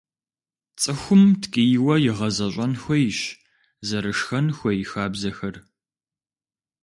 ЦӀыхум ткӀийуэ игъэзэщӀэн хуейщ зэрышхэн хуей хабзэхэр.